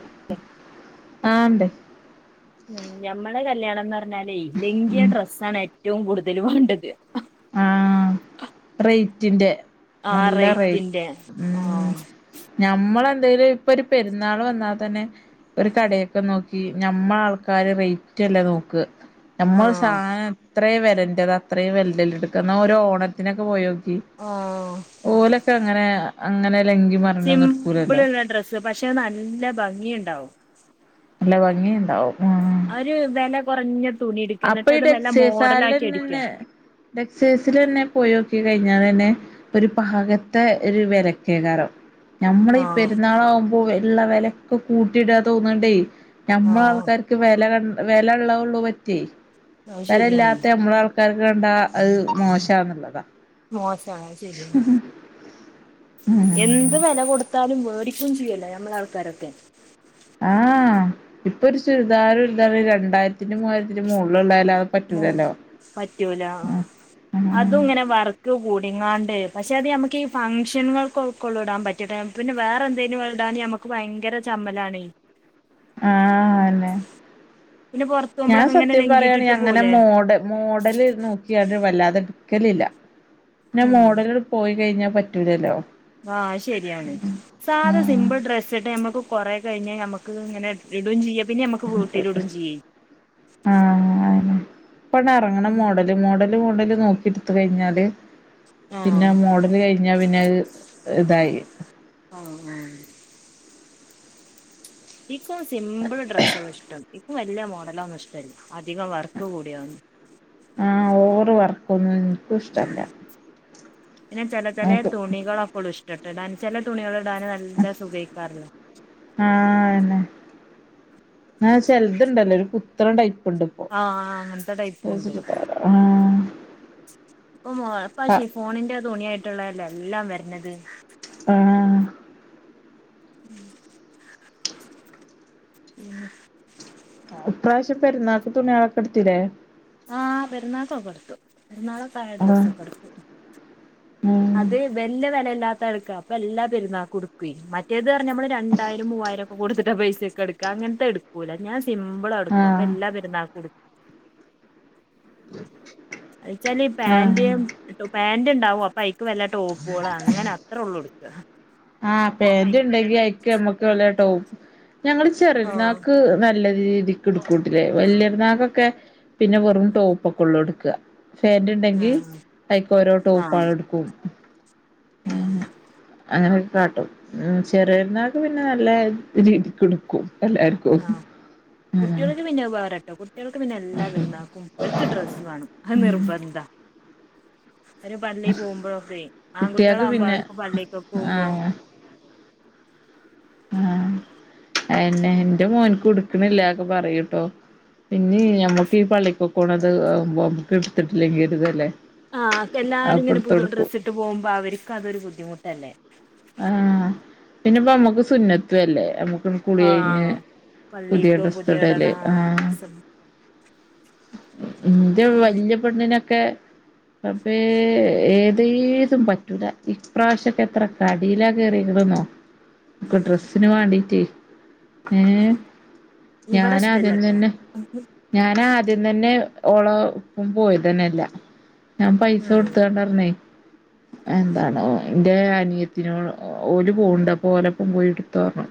[inaudible] ആഹ് ഇണ്ട് ഉം ഞമ്മടെ കല്യാണം എന്ന് പറഞ്ഞാല് വല്യ ഡ്രസ്സ് ആണ് ഏറ്റവും കൂടുതല് വേണ്ടത് ആഹ് റേറ്റിന്റെ ആ നല്ല റേ റേറ്റിന്റെ ഉം ആഹ് ഞമ്മള് എന്തേലും ഇപ്പം ഒരു പെരുന്നാള് വന്നാ തന്നെ ഒരു കടയൊക്കെ നോക്കി ഞമ്മ ആൾക്കാര് റേറ്റ്ല്ലേ നോക്ക് നമ്മൾ ആഹ് സാധനം അത്രയും വേലണ്ടത് അത്രയും വെല്ലല് എടുക്കുന്ന ഒരു ഓണത്തിനൊക്കെ പോയി നോക്കി ആ ഓലൊക്കെ അങ്ങനെ അങ്ങനെ മറിഞ്ഞൊന്നും എടുക്കൂലല്ലോ സിംമ്പിള് ള്ള ഡ്രസ്സ് പക്ഷെ അതുനല്ല ഭംഗിയുണ്ടാവും നല്ല ഭംഗിയുണ്ടാവും ആ അവ ഒരു വില കോറഞ്ഞ തുണി ഇട്ക്കാം അപ്പൊ ന്നിട്ട് അത് നല്ല മോഡലാക്കി അടിക്കാ ഡക്സേസിലേന്നെ പോയോക്കി കഴിഞ്ഞാന്നെ ഒരു പാഗത്തെ ഒരു വിലക്കേക്കാര ഞമ്മള ഈ ആഹ് പെരുന്നാളവൂമ്പോ ള്ള വേലൊക്കെ കൂട്ടിടാ തോന്ന്ണ്ടേ നമ്മളേ ആഹ് ആൾക്കാർക്ക് വേല കണ്ട വേല ള്ളതള്ളൂ പറ്റേ അത് ശരിയാണ് വേലല്ലാത്ത നമ്മളേ ആൾക്കാ ആൾക്കാർക്ക് കണ്ടാ അത് മോശന്നുള്ളതാ മോശാ ആഹ്ശരിയ ഉം എന്ത് വെല കൊടുത്താലും വേടിക്കു ചെയ്യല്ലോ മ്മളേ ആൾക്കാരൊക്കെ ആഹ ഇപ്പൊ ഒരു ചുരിദാർരടിക്കാ രണ്ടായിരത്തിന്റെ മൂവായിരത്തിന്റെ മോളിൽ ഉള്ളായാല മോ പറ്റൂല ആഹ ആഹ് അതും ഇങ്ങനെ വർക്ക് കൂടിങ്ങാണ്ട് പക്ഷെ അത് നമുക്ക് ഈ ഫംഗ്ഷനുകൾക്ക്ള്ളു ഇടാൻ പറ്റ ക പിന്നെ വേറെ എന്തേിലും ഇടാഞമ്മക്ക് ഭയങ്കര ചമ്മലണേ ആഹ അന്നെ പിന്നെ പുറത്ത് ഞാൻ പോകുമ്പോളൊക്കെ ഇങ്ങനെ സത്യം പറയാണ് ഞ ലംഗീട്ടിട്ട് അങ്ങനെ പോവൂലേ മോഡ മോഡല് നോക്കിയാ ണ്ട് വല്ലാതെ ഇട്ക്കലില്ല പിന്നെ ഉം മോഡല് പോയി കഴിഞ്ഞാ പറ്റൂലല്ലോ ആഹ് ശരിയാണ് സാധാ ആഹ് സിമ്പിൾ ഡ്രസ് ഇട്ട് നമ്മക്ക് കൊറെ കഴിഞ്ഞാൽ നമ്മുക്ക് ഇങ്ങനെ ഇടുംയും ചെയ്യാ പിന്നെ നമുക്ക് വീട്ടിലിടും ചെയ്യേ ആഹ അെ പ ഇറങ്ങണ മോഡല് മോഡല് ഡല് നോക്കി എടുത്ത കഴിഞ്ഞാല് ആഹ് പിന്നെ മോഡല് കഴിഞ്ഞ പിന്നെ ഇതായി ആ ആ എക്കും സിമ്പിൾ ഡ്രസ്സൾ ഇഷ്ടം ഇക്ക വലിയ മോഡലന്നും ഇഷ്ടമല്ല അധികം വർക്ക് കൂടിയവുന്നു ആഹ ഓവറ് വർക്ക് ഒന്നും ഉ പിന്നെ ചേലേ ചേലേ നോക്കും തുണികളൊക്കെളഇഷ്ടം ഇട്ട ഇടാൻ ചേല തുണികള് ഇടാൻ നല്ല സുഖേക്കാര ആഹന്നെ ആ ചെലതുണ്ടല്ലേ ഒരു കുത്തണ ടൈപ്പ്ണ്ട് ആഹ അങ്ങനത്തെ ടൈപ്പുണ്ട് ആ ഇപ്പോ പക്ഷേ ഫോണിന്റെ തുണിയായിട്ടുള്ളല്ലോ എല്ലാം വരണത് ആഹ ഉം ആ ഇപ്രാവശ്യം പെരുന്നാക്ക് തുണിാളൊക്കെ എടുത്തില്ലേ ആഹ് പെരുന്നാക്കെക്കേ എടുത്തു പെരുന്നാളൊക്കായ ആഹ് ഡ്രസ്സൊക്കെ എടുത്തു ഉം അത് വല്ല വില ഇല്ലാത്ത എടുക്ക അപ്പൊ എല്ലാ പെരുന്നാ കൊടുക്ക മറ്റേത് പറഞ്ഞ നമ്മള് രണ്ടായിരം മൂവായിരം അപ്പൊ കുടുത്തിട്ട പൈസ ഒക്കെ എടുക്കുക അങ്ങനത്തെ എടുക്കൂല്ല ഞാൻ സിമ്പിളാ എടുക്കും അപ്പൊ ആഹ് എല്ലാ പരുന്നാൾുംടുും അച്ചാല് ആഹ് പാൻറയും ടോ പാാന്റ് ണ്ടാവും അപ്പൊ അയ്ക്ക് വല്ല ടോപ്പുകള് അങ്ങനെ അത്രേ ഉള്ളൂ എടുക്ക ആഹ പാൻറ് ഉണ്ടെങ്കി അയിക്ക നമ്മക്ക്ല്ല ടോപ്പ് ഞങ്ങള് ആഹ് ചെറരുന്നക്ക് നല്ലത് രീതിക്ക് എടുക്കട്ടില്ലേ വലിയ നാഗൊക്കെ പിന്നെ വെറും ടോപ്പ ഒക്കെ ഉള്ളൂ എടുക്കുക ഫാൻറ് ഉണ്ടെങ്കിൽ ആഹ് ഐക്ക് ഓരോ ആഹ് ടോപ്പണ് എടുക്കും ആഹ് അങ്ങനെ അങ്ങനെയൊക്കെ കാട്ടും ചെറിയരുന്നാക്ക് പിന്നെ നല്ല രീതി കൊടുക്കും എല്ലാവർക്കും ആഹ് കുട്ടികൾക്ക് പിന്നെ ഉപകാരട്ടെ കുട്ട്യോൾക്ക്. പിന്നെ എല്ലാ പെര് ന്നാക്കും. ഒൽക്. ഡ്രസ്സ് വാണം. അത് നിർബന്ധ.. അവര് പള്ളിൽ പോവുമ്പോഴൊക്കെ. കുട്ടിയാക്ക് ആൺകുട്ട്യോളാ ആവുമ്പോ. പിന്നെ അവരൊപ്പൊ. പള്ളിക്കക്. പോവുമ്പോ.. ആഹ് ഹെന്നെ. ന്റെ മോൻകു. ടുക്ണില്ലാ ഒക്കെ. പറയൂട്ടോ.. പിന്നീ. ഞമ്മക്ക് ഈ. പള്ളിക്കൊക്കോണത്. ഹ് ബോ. ടുത്തിട്ടില്ലെങ്കി രുതല്ലെ.. ആഹ്. ക്കെല്ലാരും ഇങ്ങനെ പുതിയ ഡ്രസ്സ് ഇട്ട് പോവുമ്പ. അവര്ക്ക് അതൊരു ബുദ്ധിമുട്ടല്ലേ.. ആഹ്. പിന്നെപ്പമ്മുക്ക്. സുന്നത്ത്ല്ലേ. നമ്മുക്ക്.. കുളി കഴിഞ്ഞ് ആഹ് പുതിയ പള്ളിക്ക് ഡ്രസ്സ് ഇടണ ഇടല്. ആഹ് ഡ്രസ്സ്. ഇന്റെ വല്ല്യ പെണ്ണിനൊക്കെ.. റബ്ബേ. ഏതേതും പറ്റൂല. ഇപ്രാവശ്യക്കെ ത്ര.. കടിയിലാ കേറിക്ണന്നോ. ക്ക് ഉം ഡ്രെസ്സിന് വണ്ടീട്ടേ.. ഹേ. ഇവിടെ ഇഷ്ടല്ലട്ടോ ഞാനാദ്യതന്നെ.. ഉം ഞൻ ആദ്യതന്നെ. ഓളോ. ഒപ്പം. പോയതന്നല്ല.. ഞാൻ പൈസ ആഹ് കൊടുത്തണ്ടർണെ. എന്താണ്. ഒ. ന്റെഅനിയ തിനോള്. ഓൽ പോണ്ട്. അപ്പൊ ഓലപ്പം പോയിടുത്തോർന്ന്.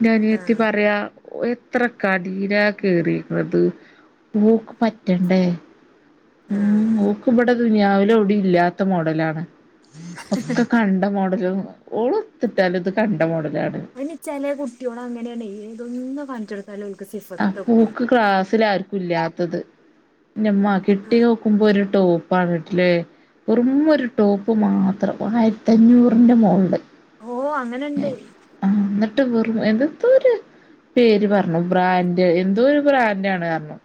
ന്റെഅനിയത്തി. പറയാ.. ഒ. എത്ര കടീല. കെറീക്ണത്. ഓക്ക് പറ്റണ്ടേ.. മ്മ്ഹ്. ആഹ് ഓക് ഇവടെ. ദുനിയാവിലൊവുടി. ഇല്ലാത്ത മോഡലാണ്. ഒകെ.. കണ്ട മോഡലും. ഓള്ഒത്ത്ട്ടാലും. ഇത് കണ്ട മോഡലാണ്.. ഇനി ചെല കുട്ട്യോളങ്ങനെയാണ്. ഇ തൊന്ന്. കാണിചോ. [unintelligible] സിഫ് ആഹ് പൂക്ക് ക്ലാസ്സിലാർക്കു ഇല്ലാത്തത്. ഇന്നമ്മാ. കിട്ടിയൊ.. ക്കുമ്പോ. ഒരു ടോപ്പാണിട്ടില്.. വെറും. ഒരു ടോപ്പ് മാത്രം. ഒന്ന അ യിരത്തി അഞ്ഞൂറിന്റെ. മോള്.. ഓഹ് അങ്ങനെണ്ട്. ന്നട്ട് വെറും. എന്തത്തോരു. പേര് പർണു.. ബ്രാൻഡ് എന്തോ ഒരു ബ്രാൻണ്ടാണ്. അർണു..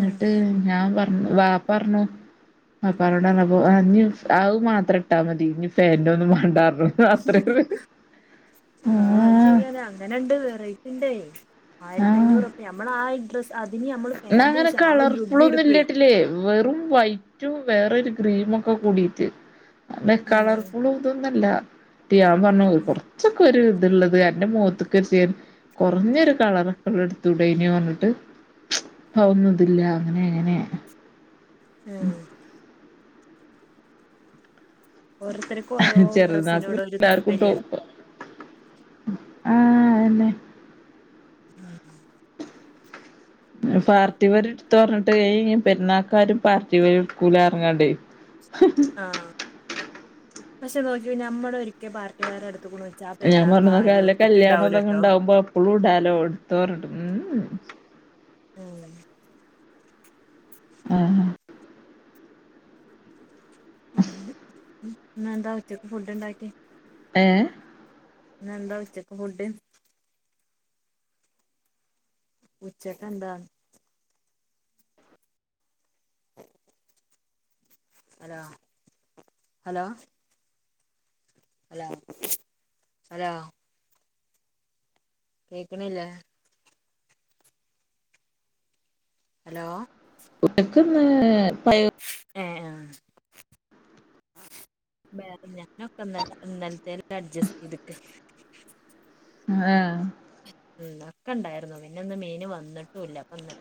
ഉം ഞാൻ പർണു. വാപ്പ അർണു.. വാപ്പനോട് അർണപ്പൊ. അഹ് ഇഞ് അഹ് മാത്രം. ഇട്ടാ മതി. ഇനി ഫേന്റോന്നും. മണ്ടാർണു. അത്രക്ക് ആഹ് രിയണ്. അങ്ങനെണ്ട് വെറൈറ്റിണ്ട്. ആഹ് ആയിരതഞ്ഞൂർപ്യാ. ഞമ്മളാഡ്രസ്സ്‌.. അയ്ന് നമ്മള് പാൻട്. ശാളും. ജുബ്ബി ടുകുയ്.. ല്ലെ വെറും വൈറ്റും വേറൊരു. ക്രീമൊക്കെ കൂടിട്ട്.. അന്ന്. ആഹ് കളർഫുളും. ഇതൊന്നുല്ല. ട്ടിയാൻ. പർണു കൊർ. ച്ചകൊരു. ഇത്ള്ളത്. അന്റെ മൊത്ത്ക്. എറ്റിത്.. കൊറഞ്ഞൊരു. കളറൊക്കെള്ള. എടുത്തുടനോ. അർണിട്ട്.. അവോന്ന്തില്ല. അങ്ങനെ അങ്ങനെ.. ആഹ് ഓരോരുത്തർക്കും ഓരോ ഹ്ഹ്. ചെറിയന്നാക്. ഡ്രസ്സിനോട് പിന്നെ ഒരു എല്ലാർക്കും. താല്പര്യ ടോപ്പ.. ആഹ്. അയന്നേ.. ഉം പാർട്ടിവെർ. ഇട്ത്തോ. അർണിട്ട്. ഏഹേ. പെരുന്നക്കാരും. പാർട്ടിവെർ. ടുക്കൂലർണികാണ്ട്.. [unintelligible] ആഹ്. പഷേ. നോക്കി നമ്മളോരിക്കെ. പാർട്ടി വേയറടുത്ത്ക് ണ്... ഞാൻ പർണു. ക്കെല്ല കല്യാണതൊ ണ്ടാവുമ്പോ. എപ്പളും ഇടാലോ. ടുത്തോരണ്ട്. മ് ഹ്ഹ്.. [inaudible] ആഹ്.. മ്ഹ്. ഇന്ന്. എന്താ ഉച്ചക്ക് ഫുഡ്ണ്ടാക്കി.. ഏഹ്.. ഇന്നന്താ. ഉച്ചക്ക് ഫുഡ്.. ഉച്ചക്കെ എന്താ.. [inaudible] ഹലോ ഹലോ ഹലോ ഹലോ കേക്കണില്ലേ ഹലോ [unintelligible] ഏ ആഹ വേറെ ഞാനൊക്കെ ഇന്നലത്തെല്ല അഡ്ജസ്റ്റ് ചെയ്തക ആ ഒക്കെ ഇണ്ടായിരുന്നു പിന്നെ ഇന്ന് മീന് വന്നിട്ടുംല്ല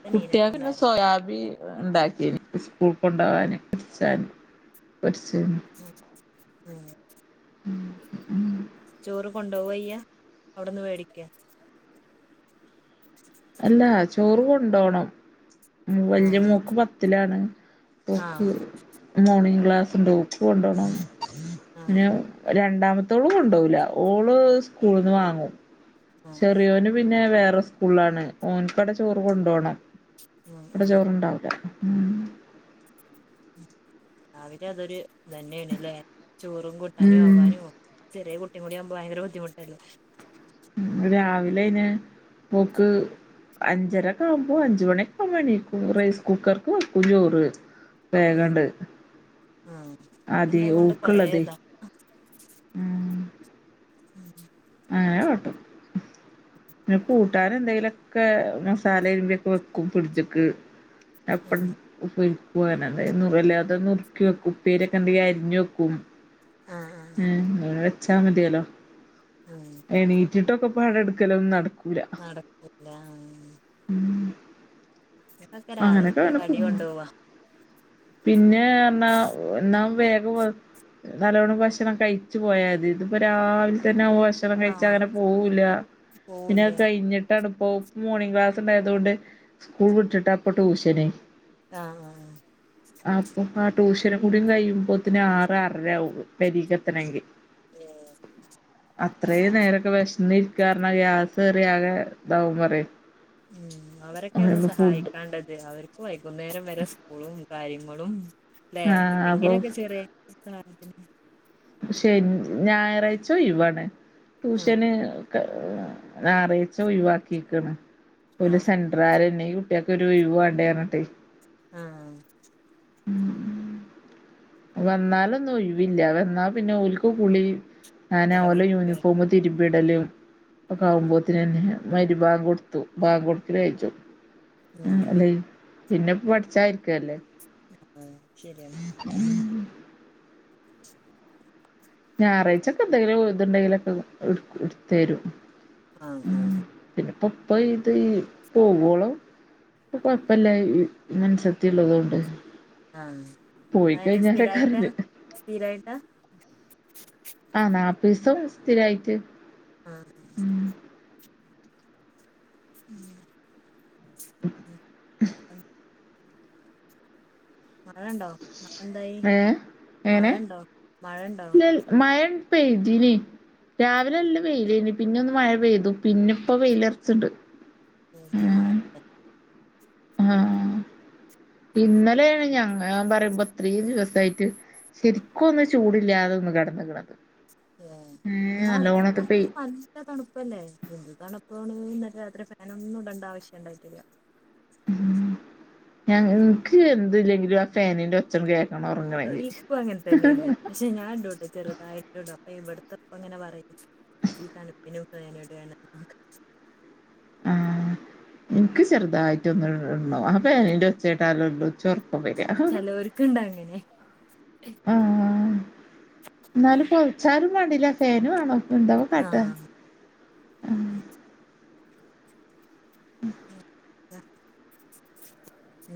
കുട്ടിയക്ക്‌ പിന്നെ സോയാബീൻ ഉണ്ടാക്കിനി സ്കൂൾ കൊണ്ടകൻ പച്ച പൊരിച്ചീനി ഉം ഉം [inaudible] ഉ ഉം ചോറ് കൊണ്ടോവാ അയ്യ അവിടന്ന് വേടിക്ക അല്ല ചോറ് കൊണ്ടപോണം വലിയ ആഹ് മോക്ക് പത്തിലാണ് ഓക്ക് ആഹ് മോർണിംഗ ക്ലാസ്സ്‌ ഉണ്ട്‌ ഓക്ക് കൊണ്ടോണം ആഹ് പിന്ന രണ്ടാമത്തോളും കൊണ്ടുപോവില്ല ഓള് സ്കൂള്ന്ന് വാങ്ങും ആഹ് ചെറിയോന് പിന്നെ വേറെ സ്കൂളാണ് ഓന കടെ ചോറ് കൊണ്ട പോണം ഉം ഇവിടെ ഉം ചോറണ്ടാവല ഉ രാവിലെ അതൊരു തന്നെയണല്ലേ ചോറും കൂട്ടാനും ഉം ആവാനും ചെറിയ കുട്ടി കൂടി ആകുമ്പോ ഭയങ്കര ബുദ്ധിമുട്ടല്ല ഉ രാവിലെ അന് പോക്ക് അഞ്ചര കാവുമ്പോ അഞ്ചുമണി ആവുമ്പോൾ എണീക്കും റൈസ് കുക്കർക്ക് വക്കും ചോറ് ഉം വേഗണ്ട് ആഹ് ആത അത്ണ്ടാവോണ്ട് കൊറേ ഓക്ക്ള്ളതെ ഇതാ അങ്ങനെ കട്ടും [unintelligible] കുട്ടൻ എന്തെങ്കിലുമൊക്കെ മസാല ഇരുമ്പിയൊക്കെ വെക്കും ഫ്രിഡ്ജക്ക് അപ്പ ഉം ഉപ്പേരിക്ക് അതായല്ല അത നുറിക്കി വെക്കും ഉപ്പേരക്കെ ഉണ്ടെങ്കിൽ അരിഞ്ഞ വെക്കും ഉം ആഹ് ആഹ് അങ്ങനെ വെച്ചാൽ മതിയല്ലോ ആ എണീറ്റിട്ടൊക്കെ പാണി എടുക്കല്ല ഒന്ന നടക്കൂല നടക്കൂല ഉം പിന്നെക്കെ രാവിലത്തെ കടി പോവും കൊണ്ടു പോവാ പിന്നെ അര്ന ഒന്നാ വേഗ വ നല്ലവണ്ണം ഭക്ഷണം കഴിച്ചു പോയാത് ഇതിപ്പോ രാവിലെ തന്നെ ഭണം ഭക്ഷണം കഴിച്ച ആഹ് അങ്ങനെ പോവൂല്ല പിന്നെ പോവൂല്ല കഴിഞ്ഞിട്ട് ട്ടണിപ്പോ മോർണിംഗ ക്ലാസ്ണ്ടായതുക കൊണ്ട് സ്കൂൾ വിട്ട് ഇപ്പൊ ട്യൂഷന് ആഹ ആഹ് അർക്കും ആ ട്യൂഷനും കൂട കഴിയുമ്പോത്തെ ആറ് അറര ആകും പരകത്തണങ്കി ഏ അത്രയും നേരൊക്കെ വിഷന് ഇരിക്കാരണം ഗ്യാസ് റിയ ആകെ ഇതാവും പറ ഉം അവരൊക്കെ ഒന്ന് സഹായിക്കേണ്ടത് അവർ വൈകുന്നേരം വരെ സ്കൂളും കാര്യങ്ങളും അല്ലെ ആ അപ്പൊ എതെങ്കിലൊക്കെ ചെറേ സാധന ശെ ഞായറാഴ്ച ഒയവാണ് ആ ട്യൂഷന് ഞായറാഴ്ച ഒഴിവാക്കിക്കാണ് ആ ഓല് സാ ഇാര എന്ന ഈ കുട്ടിയൊക്ക ഒരു ഒഴിവ് വേണ്ടേ പറഞ്ഞിട്ട് ആഹ വന്നാലൊന്നും ഒഴിവില്ല വന്നാ പിന്നെ ഒല്ക്ക് കുളി നന ഓലെ ഓലോ പഠിപ്പ് യൂണിഫോമ തിരുമ്പിടലും ഒക്കെ ആവുമ്പോത്തന്നനെ മഗ്‌രിബ്ബാങ്ക് കൊടുത്തു ബാങ്ക് കൊടുക്കൽ കയ്യും ആ ഉം അല്ലെ പിന്നെ പഠിച്ചായിരിക്കല്ലേ ആഹ് ശരിയാണ് ഞായറാഴ്ചൊക്കെ എന്തെങ്കിലും ഇതുണ്ടെങ്കിലും ക്കെ എടുത്തരും ആഹ ആഹ പിന്നെ പപ്പ പ്പ ഇത് പോവോളോ കൊഴപ്പല്ല ഈ മന്സത്തി ഉള്ളതൊണ്ട് ആഹ് അയ്ന സ്ഥിരായിട്ടാ അറിഞ്ഞ് സ്ഥിരായിട്ടാ ആഹ് നാല്പ്പയിസം സ്ഥിരായ്ട്ട് ആഹ് മഴ ഉണ്ടോ മഴ എന്തായി ഏഹ് മഴണ്ടോ മഴണ്ടോ മയ പെയ്തിനി രാവിലെല്ല വെയിലനി പിന്നെ ഒന്ന് മഴ പെയ്തു പിന്നെ ഇപ്പോ വെയിലോറച്ണ്ട് ഇവ്ടെ മഴ ഹാ ഇന്നലെണ് ഞങ്ങ ഇത്രീം ദിവസ ആയ്ട്ട് ശരിക്കോന്നും ചൂടില്ലാതോന്ന് കെടന്ന്ണത് ഏഹ് ആഹ ഞ [unintelligible] പപ്പ പ എ തണുപ്പല്ലേ എന്ത് തണുപ്പാണ് ന്നലെ രാത്രി ഫാനൊന്നും ഇടണ്ട ആവശ്യം ണ്ടായിട്ടില്ല ഉ ഞ യ്ക്ക് എന്ത്ല്ലെങ്കിലും ആ ഫാനിന്റെ ഒച്ച ഒന്ന് കേക്കണം ഒറങ്ങണങ്കി ഞാടും ചെറുതായിട്ട ഇടും അപ്പൊ ഇവിടത്തെ ഇപ്പ ഇങ്ങനെ പറിം ഈ തണുപ്പിനും ഫാനിടാന്ന് [unintelligible] ആ ഇൻക്കും ചെറുതായിട്ടോന്ന് ടണം ആ ഫാനിന്റെ ഉച്ചേട്ടാലോള്ള ഇച്ച് ഒറക്കം വര ചിലവർക്കുണ്ട് അങ്ങനെ ആഹ് ന്നാലും പോതച്ചാലും വേണ്ടില്ല ഫാന് വേണം ആഹ്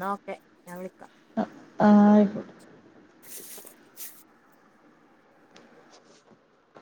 ന്നാ ഓക്കെ ഞാൻ വിളിക്കാം ആഹ് ആയി